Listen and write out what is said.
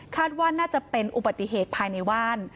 ว่าน่าจะเป็นอุบัติเหตุภายในบ้าน